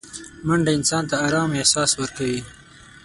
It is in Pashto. منډه انسان ته ارامه احساس ورکوي